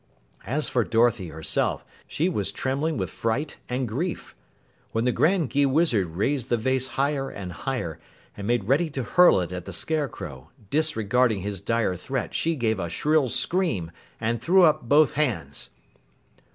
As for Dorothy herself, she was trembling with fright and grief. When the Grand Gheewizard raised the vase higher and higher and made ready to hurl it at the Scarecrow, disregarding his dire threat she gave a shrill scream and threw up both hands.